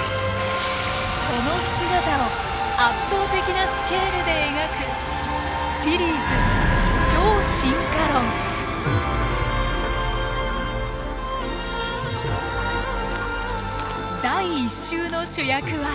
その姿を圧倒的なスケールで描くシリーズ「第１集」の主役は。